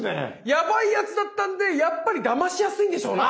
やばいやつだったんでやっぱりだましやすいんでしょうな。